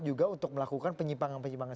juga untuk melakukan penyimpangan penyimpangan